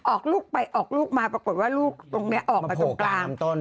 ออกลูกไปออกลูกมาปรากฏว่าลูกตรงนี้ออกมาตรงกลาง